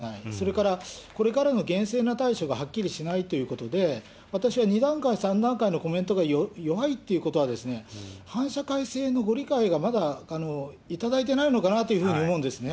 ところが決別宣言がはっきりしない、それからこれからの厳正な対処がはっきりしないということで、私は２段階、３段階のコメントが弱いということは、反社会性のご理解がまだいただいてないのかなというふうに思うんですね。